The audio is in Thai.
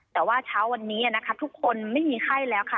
แต่ว่าเช้าวันนี้นะคะทุกคนไม่มีไข้แล้วค่ะ